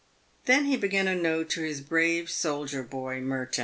Then he began a note to his brave soldier boy Merton.